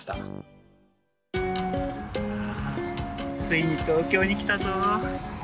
ついに東京に来たぞぉ。